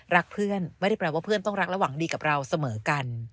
รักเพื่อนไม่ได้แปลว่าเพื่อนต้องรักและหวังดีกับเราเสมอกัน